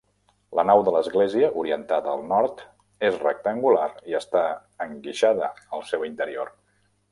La nau de l'església, orientada al nord, és rectangular i està enguixada al seu interior.